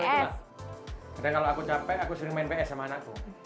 kadang kalau aku capek aku sering main ps sama anakku